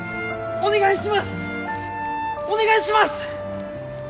お願いします！